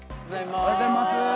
おはようございます。